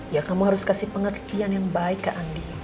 ya kamu harus kasih pengertian yang baik ke andi